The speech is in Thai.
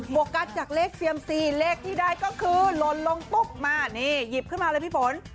กัสจากเลขเซียมซีเลขที่ได้ก็คือลนลงปุ๊บมานี่หยิบขึ้นมาเลยพี่ฝน